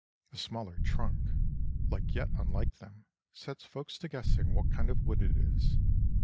A smaller trunk, like yet unlike them, sets folks to guessing what kind of wood it is.